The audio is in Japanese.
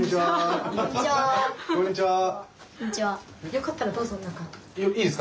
・よかったらどうぞ中に。